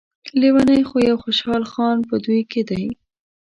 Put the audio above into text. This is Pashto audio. لیونی خو يو خوشحال خان په دوی کې دی.